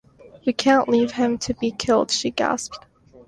"We can't leave him to be killed," she gasped.